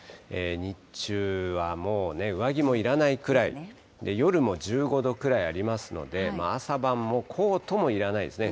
日中はもうね、上着もいらないぐらい、夜も１５度くらいありますので、朝晩もコートもいらないですね。